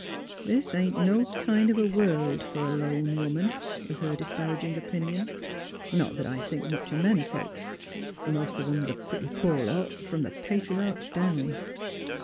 " This ain't no kind of a world for a lone woman," was her disparaging opinion. *' Not that I think much o' men folks; th' most of 'em 's a pretty poor lot — f'om the Patriarchs, down."